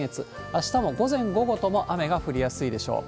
あしたも午前、午後とも雨が降りやすいでしょう。